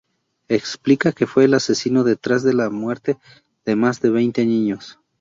Explica que fue el asesino detrás de la muerte de más de veinte niños.